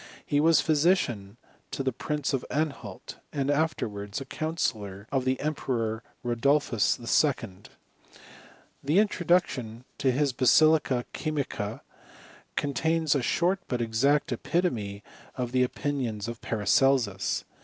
He was physician to the Prince of Anhalt, and afterwards a counsellor of the Emperor Rodolphus H. The in troduction to his Basilica Chymica, contains a short' . but exact epitome of the opinions of Paracelsus.